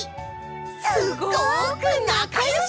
すごくなかよし！